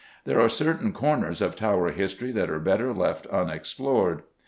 There are certain corners of Tower history that are better left unexplored.